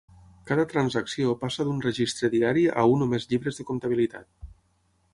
Cada transacció passa d'un registre diari a un o més llibres de comptabilitat.